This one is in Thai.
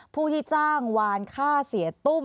ผู้ที่จ้างวานฆ่าเสียตุ้ม